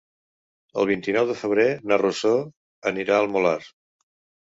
El vint-i-nou de febrer na Rosó anirà al Molar.